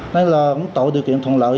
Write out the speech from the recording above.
đây là tội điều kiện thuận lợi